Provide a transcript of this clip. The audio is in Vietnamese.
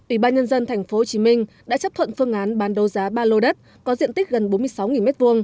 ubnd tp hcm đã chấp thuận phương án bán đấu giá ba lô đất có diện tích gần bốn mươi sáu m hai